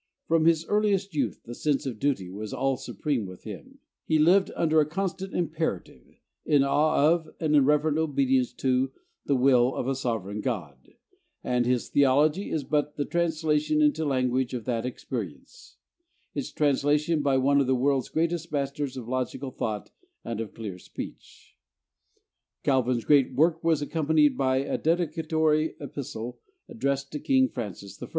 From his earliest youth the sense of duty was all supreme with him; he lived under a constant imperative in awe of, and in reverent obedience to, the will of a sovereign God; and his theology is but the translation into language of that experience; its translation by one of the world's greatest masters of logical thought and of clear speech. Calvin's great work was accompanied by a dedicatory epistle addressed to King Francis I.